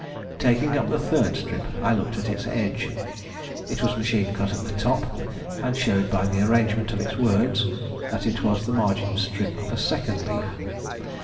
Taking up the third strip, I looked at its edge; it was machine cut at the top, and showed by the arrangement of its words that it was the margin strip of a second leaf.